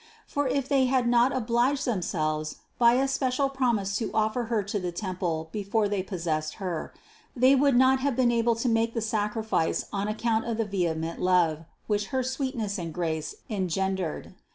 For if they had not obliged themselves by a special promise to offer Her to the temple before they possessed Her, they would not have been able to make the sacrifice on account of the vehement love, which her sweetness and grace engen dered.